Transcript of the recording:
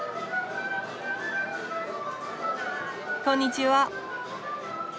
こんにちは。